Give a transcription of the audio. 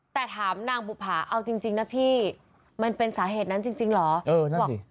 แต่ถามนางบุภาเอาจริงจริงนะพี่มันเป็นสาเหตุนั้นจริงจริงเหรอเออนั่นสิ